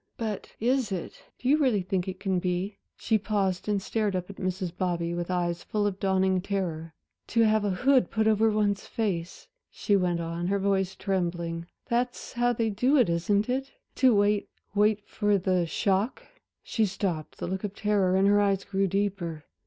But is it do you really think it can be?" She paused and stared up at Mrs. Bobby with eyes full of a dawning terror. "To have a hood put over one's face," she went on, her voice trembling, "that's how they do it, isn't it? to wait wait for the shock." ... She stopped, the look of terror in her eyes grew deeper.